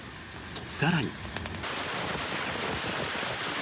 更に。